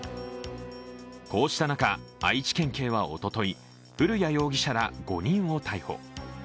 こうした中、愛知県警はおととい、古屋容疑者ら５人を逮捕。